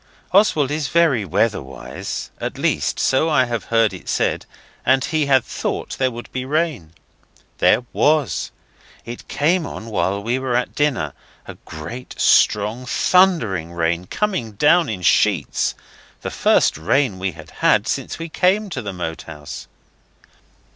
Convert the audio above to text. Oswald is very weather wise at least, so I have heard it said, and he had thought there would be rain. There was. It came on while we were at dinner a great, strong, thundering rain, coming down in sheets the first rain we had had since we came to the Moat House.